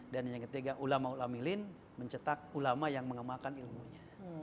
dan yang ketiga ulama ulama milin mencetak ulama yang mengemalkan ilmunya